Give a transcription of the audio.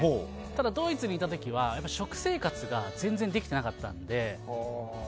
ただ、ドイツにいた時は食生活が全然できてなかったので。